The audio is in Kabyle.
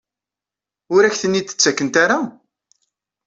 Ur ak-ten-id-ttakent ara?